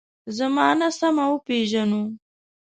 زمانه سمه وپېژنو.